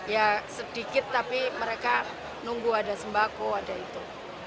ya sedikit tapi mereka nunggu ada sembako ada itu